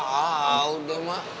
aduh udah mah